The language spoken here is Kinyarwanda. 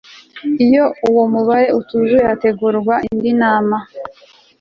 iyo uwo mubare utuzuye hategurwa indi nama